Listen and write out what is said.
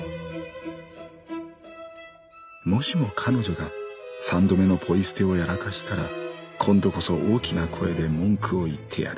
「もしも彼女が三度目のポイ捨てをやらかしたら今度こそ大きな声で文句を言ってやる。